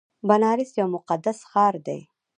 بنارس یو مقدس ښار دی.